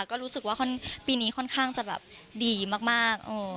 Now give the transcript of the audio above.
ก็รู้สึกว่าปีนี้ค่อนข้างจะแบบดีมาก